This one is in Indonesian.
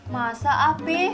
masa ah pi